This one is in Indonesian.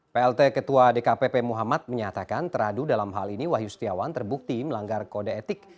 plt ketua dkpp muhammad menyatakan teradu dalam hal ini wahyu setiawan terbukti melanggar kode etik